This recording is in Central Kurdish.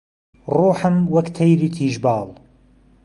ڕووحم وەک تەیری تیژ باڵ